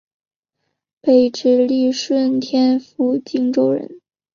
北直隶顺天府蓟州人。